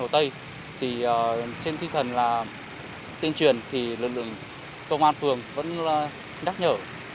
trên thi thần là tiên truyền thì lực lượng công an phường vẫn nhắc nhở